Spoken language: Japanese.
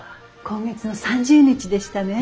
今月の３０日でしたね。